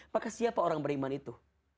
maka siapa orang beriman itu